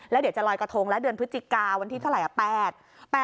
แล้วเดี๋ยวจะลอยกระทงแล้วเดือนพฤศจิกาวันที่เท่าไหร่